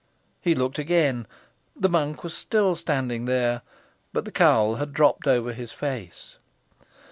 He looked again. The monk was still standing there, but the cowl had dropped over his face.